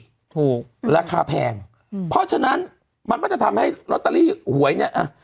ถูกราคาแพงอืมเพราะฉะนั้นมันก็จะทำให้ลอตเตอรี่หวยเนี้ยอ่ะ